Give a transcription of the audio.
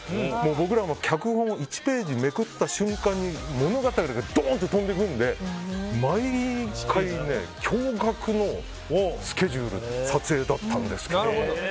僕らも脚本を１ページめくった瞬間に物語がどんと飛んでいくので毎回、驚愕のスケジュール撮影だったんです。